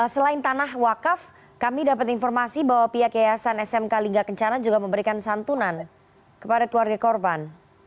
selain tanah wakaf kami dapat informasi bahwa pihak yayasan smk lingga kencana juga memberikan santunan kepada keluarga korban